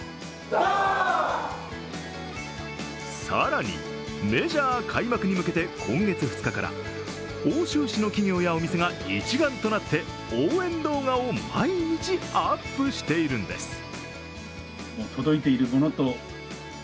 更にメジャー開幕に向けて今月２日から奥州市の企業やお店が一丸となって応援動画を毎日アップしているんです。